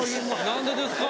何でですか？